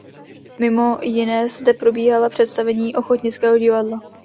Mimo jiné zde probíhala představení ochotnického divadla.